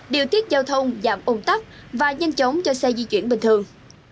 điều tiết giao thông giảm ủng tắc và nhanh chóng cho xe di chuyển bình thường